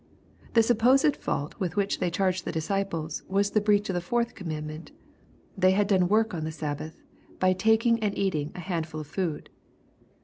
The supposed fault with which they charged the disciples, was the breach of the fourth com mandment. They had done work on the Sabbath, by taking and eating a handful of food.